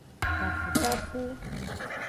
Tafutafu.